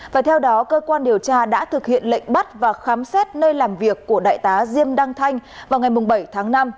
và theo đó cơ quan điều tra đã thực hiện lệnh bắt và khám xét nơi làm việc của đại tá diêm đăng thanh vào ngày bảy tháng năm